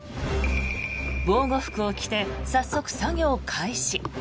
防護服を着て早速、作業開始。